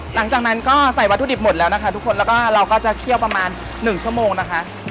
หลังจากนั้นก็ใส่วัตถุดิบหมดแล้วนะคะทุกคนแล้วก็เราก็จะเคี่ยวประมาณหนึ่งชั่วโมงนะคะ